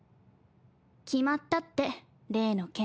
決まったって例の件。